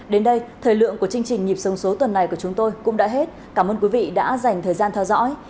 đến đây thời lượng của chương trình nhịp sống số tuần này của chúng tôi cũng đã hết cảm ơn quý vị đã dành thời gian theo dõi